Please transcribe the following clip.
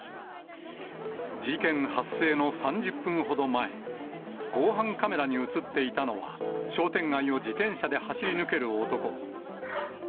事件発生の３０分ほど前、防犯カメラに写っていたのは、商店街を自転車で走り抜ける男。